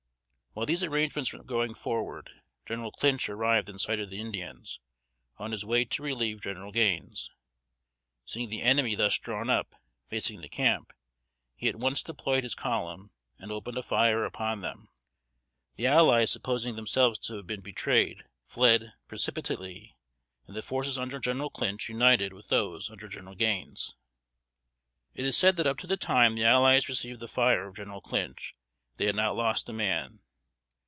While these arrangements were going forward, General Clinch arrived in sight of the Indians, on his way to relieve General Gaines. Seeing the enemy thus drawn up, facing the camp, he at once deployed his column, and opened a fire upon them. The allies supposing themselves to have been betrayed fled precipitately, and the forces under General Clinch united with those under General Gaines. It is said that up to the time the allies received the fire of General Clinch, they had not lost a man.